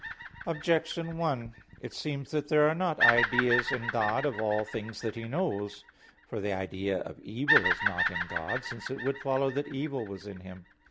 Objection 1: It seems that there are not ideas in God of all things that He knows. For the idea of evil is not in God; since it would follow that evil was in Him.